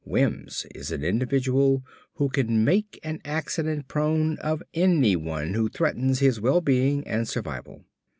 Wims is an individual who can make an accident prone of anyone who threatens his well being and survival.